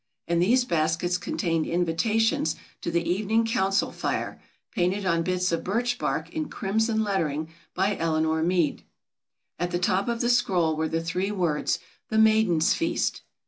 And these baskets contained invitations to the evening Council Fire painted on bits of birch bark in crimson lettering by Eleanor Meade. At the top of the scroll were the three words "The Maidens' Feast."